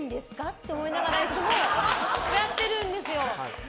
って思いながらいつもやってるんですよ。